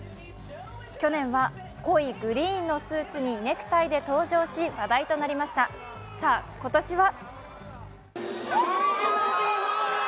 去年は濃いグリーンのスーツにネクタイで登場し話題となりました、さあ今年は？